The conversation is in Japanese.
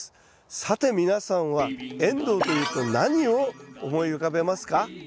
さて皆さんはえんどうというと何を思い浮かべますか？